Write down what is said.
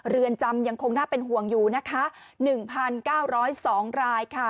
เรือนจำยังคงน่าเป็นห่วงอยู่นะคะ๑๙๐๒รายค่ะ